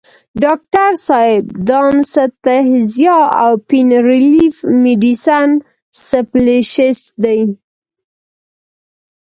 ډاکټر صېب دانستهزيا او پين ريليف ميډيسن سپيشلسټ دے ۔